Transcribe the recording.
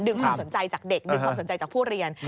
ความสนใจจากเด็กดึงความสนใจจากผู้เรียน